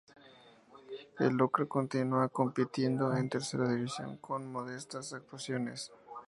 El Lorca continúa compitiendo en Tercera División con modestas actuaciones.